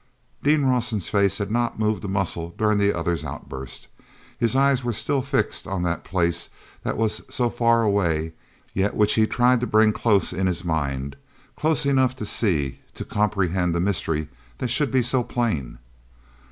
ean Rawson's face had not moved a muscle during the other's outburst. His eyes were still fixed on that place that was so far away, yet which he tried to bring close in his mind, close enough to see, to comprehend the mystery that should be so plain.